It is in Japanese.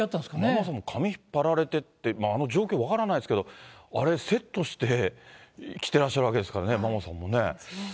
ママさんも髪引っ張られてて、あの状況分からないですけど、あれ、セットして来てらっしゃるわけですからね、ママさんもね。